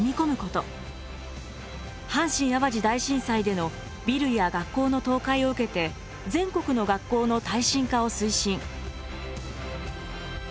阪神淡路大震災でのビルや学校の倒壊を受けて全国の学校の耐震化を推進。